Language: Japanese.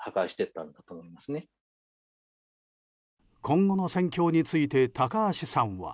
今後の戦況について高橋さんは。